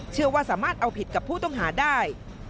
เชื่อว่าสามารถเอาผิดกับผู้ต้องหาได้